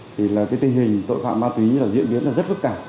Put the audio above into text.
thì tình hình tội phạm ma túy diễn biến rất phức tạp